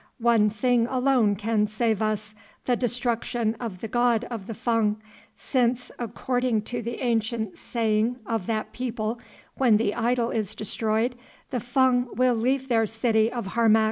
One thing alone can save us, the destruction of the god of the Fung, since, according to the ancient saying of that people, when the idol is destroyed the Fung will leave their city of Harmac.